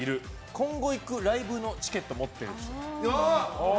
今後行くライブのチケット持ってる人。